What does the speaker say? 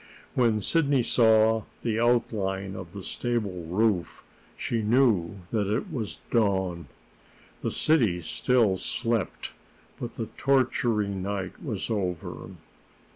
When Sidney saw the outline of the stable roof, she knew that it was dawn. The city still slept, but the torturing night was over.